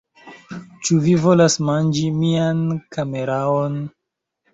Cxu vi volas manĝi mian kameraon?